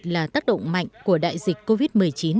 là tác động mạnh của đại dịch covid một mươi chín